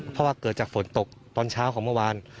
เพราะว่าเกิดจากฝนตกตอนเช้าของเมื่อวาน